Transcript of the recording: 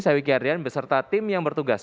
saya wiki ardian beserta tim yang bertugas